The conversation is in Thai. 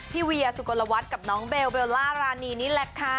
เวียสุกลวัฒน์กับน้องเบลเบลล่ารานีนี่แหละค่ะ